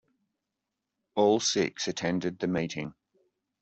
All six attended the meeting.